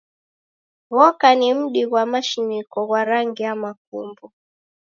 Ghoka ni mdi ghwa mashiniko ghwa rangi ya makumbo.